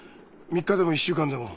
３日でも１週間でも。